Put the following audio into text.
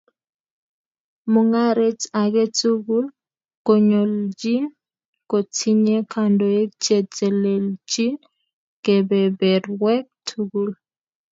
Mung'aret age tugul konyoljin kotinye kandoik cheteleljin kebeberwek tugul